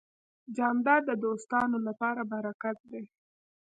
جانداد د دوستانو لپاره برکت دی.